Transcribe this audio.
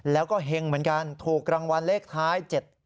แล้วก็เห็งเหมือนกันถูกรางวัลเลขท้าย๗๗